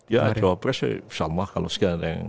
ya cowok pres ya sama kalau sekalian yang